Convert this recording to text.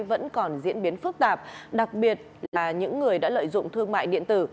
vẫn còn diễn biến phức tạp đặc biệt là những người đã lợi dụng thương mại điện tử